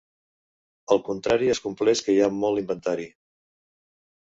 El contrari es compleix quan hi ha molt inventari.